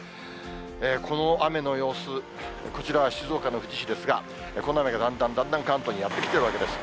この雨の様子、こちらは静岡の富士市ですが、この雨がだんだんだんだん関東にやってきてるわけです。